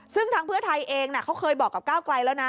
ซึ่งทางเพื่อไทยเองเขาเคยบอกกับก้าวไกลแล้วนะ